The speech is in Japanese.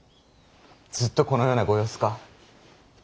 ずっとこのようなご様子か。